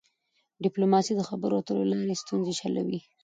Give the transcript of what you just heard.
ډيپلوماسي د خبرو اترو له لاري ستونزي حلوي.